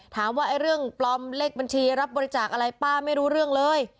ถามว่าเรื่องปลอมเลขบัญชีรับบริจาคอะไรป้าไม่รู้เรื่องเลย